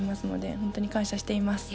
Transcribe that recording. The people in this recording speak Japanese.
本当に感謝しています。